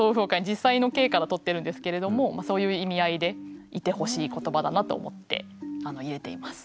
実際の景から取ってるんですけれどもそういう意味合いでいてほしい言葉だなと思って入れています。